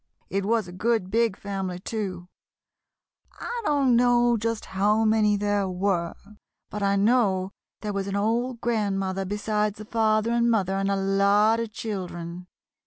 "It was a good big family, too; I don't know just how many there were, but I know there was an old grandmother besides the father and mother and a lot of children.